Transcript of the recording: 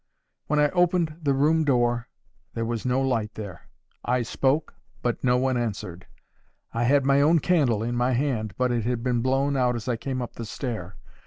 When I opened the room door, there was no light there. I spoke, but no one answered. I had my own candle in my hand, but it had been blown out as I came up the stair.